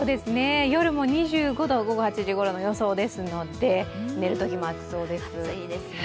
夜も２５度、午後８時ごろの予想ですので寝るときも暑そうです。